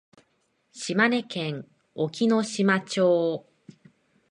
島根県隠岐の島町